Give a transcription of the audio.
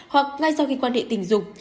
hoặc ngay sau khi quan hệ tình dục